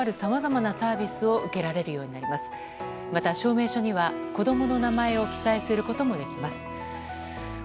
また証明書には、子供の名前を記載することもできます。